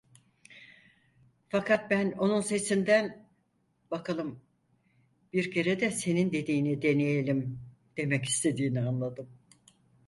Fakat ben onun sesinden, bakalım, bir kere de senin dediğini deneyelim, demek istediğini anladım.